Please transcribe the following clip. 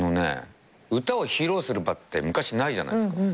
歌を披露する場って昔ないじゃないですか。